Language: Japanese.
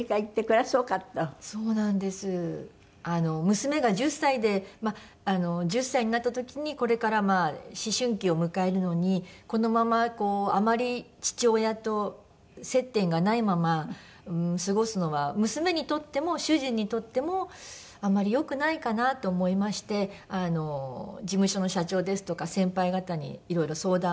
娘が１０歳で１０歳になった時にこれから思春期を迎えるのにこのままあまり父親と接点がないまま過ごすのは娘にとっても主人にとってもあまり良くないかなと思いまして事務所の社長ですとか先輩方にいろいろ相談をさせていただいて。